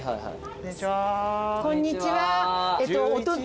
こんにちは。